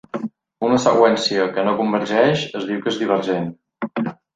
Una seqüència que no convergeix es diu que és divergent.